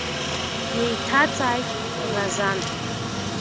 Деиҭаҵааит Разан.